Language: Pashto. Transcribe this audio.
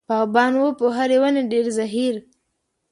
باغبان و په هرې ونې ډېر زهیر.